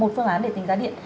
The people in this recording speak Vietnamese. một phương án để tính giá điện